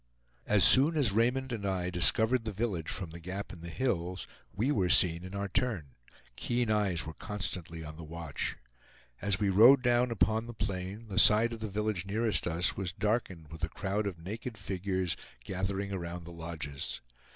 As soon as Raymond and I discovered the village from the gap in the hills, we were seen in our turn; keen eyes were constantly on the watch. As we rode down upon the plain the side of the village nearest us was darkened with a crowd of naked figures gathering around the lodges.